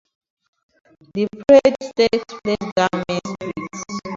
The parade takes place down Main Street.